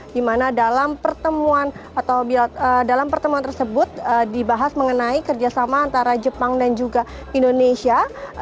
di mana dalam pertemuan tersebut dibahas mengenai kerjasama antara jepang dan juga indonesia